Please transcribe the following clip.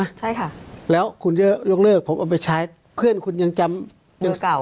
ใช่ค่ะแล้วคุณจะยกเลิกผมเอาไปใช้เพื่อนคุณยังจำยังเก่า